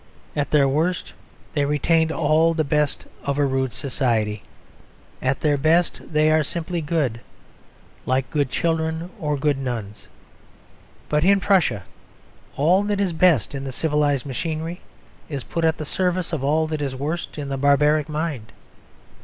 At their worst they retained all the best of a rude society. At their best, they are simply good, like good children or good nuns. But in Prussia all that is best in the civilised machinery is put at the service of all that is worst in the barbaric mind.